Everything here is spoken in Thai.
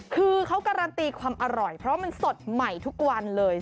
คือเขาการันตีความอร่อยเพราะมันสดใหม่ทุกวันเลย